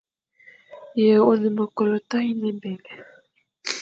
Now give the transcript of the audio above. Ye one me kôlo toyine ébèign.